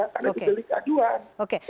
karena itu delik pengaduan